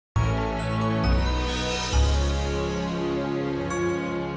sampai jumpa di video selanjutnya